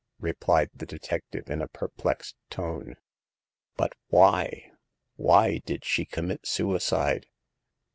replied the detective in a perplexed tone. But why — ^why did she com mit suicide